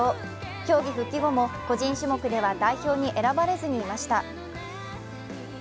競技復帰後も個人種目では代表に選ばれずにいました。